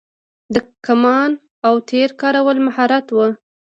د کمان او تیر کارول مهارت و